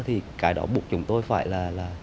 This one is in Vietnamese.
thì cái đó buộc chúng tôi phải là